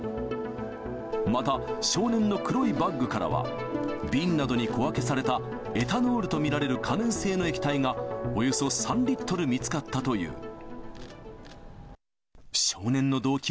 また、少年の黒いバッグからは、瓶などに小分けされたエタノールと見られる可燃性の液体が、およそ３リットル見つかったという。